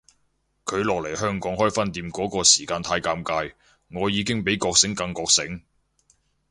佢落嚟香港開分店嗰個時間太尷尬，我已經比覺醒更覺醒